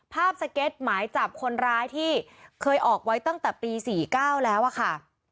สเก็ตหมายจับคนร้ายที่เคยออกไว้ตั้งแต่ปี๔๙แล้วอะค่ะ